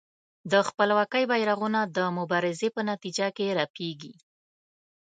د خپلواکۍ بېرغونه د مبارزې په نتیجه کې رپېږي.